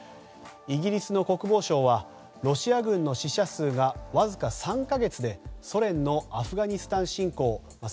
イギリスの国防省はロシア軍の死者数がわずか３か月でソ連のアフガニスタン侵攻